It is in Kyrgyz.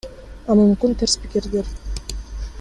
А мүмкүн терс пикирдир?